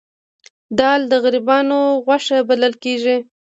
دال د غریبانو غوښه بلل کیږي